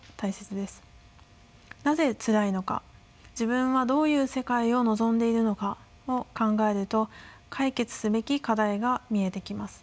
なぜつらいのか自分はどういう世界を望んでいるのかを考えると解決すべき課題が見えてきます。